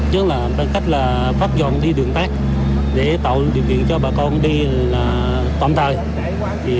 chứ là bằng cách là phát dọn đi đường tác để tạo điều kiện cho bà con đi toàn thời